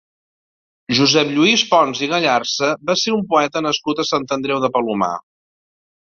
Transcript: Josep Lluís Pons i Gallarza va ser un poeta nascut a Sant Andreu de Palomar.